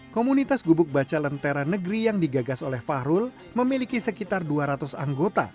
komunitas gubuk baca lentera negeri yang digagas oleh fahrul memiliki sekitar dua ratus anggota